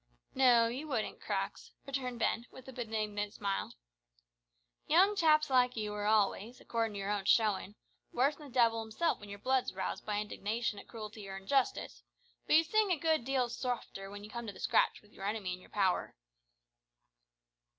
"No, you wouldn't, Crux," returned Ben, with a benignant smile. "Young chaps like you are always, accordin' to your own showin', worse than the devil himself when your blood's roused by indignation at cruelty or injustice, but you sing a good deal softer when you come to the scratch with your enemy in your power."